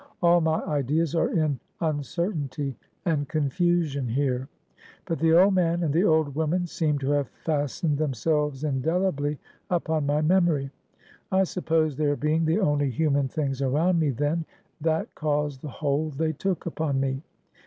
All my ideas are in uncertainty and confusion here. But the old man and the old woman seem to have fastened themselves indelibly upon my memory. I suppose their being the only human things around me then, that caused the hold they took upon me.